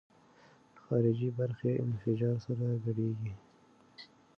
خارجي برخې انفجار سره ګډېږي.